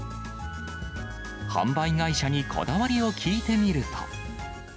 販売会社にこだわりを聞いてみると。